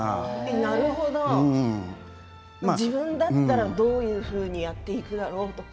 なるほど自分だったらどういうふうにやっていくんだろうと。